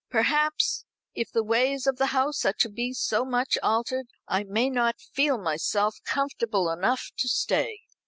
"Perhaps, if the ways of the house are to be so much altered, I may not feel myself comfortable enough to stay."